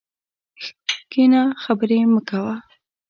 کښېنه خبري مه کوه!